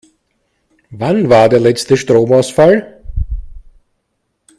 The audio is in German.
Wann war der letzte Stromausfall?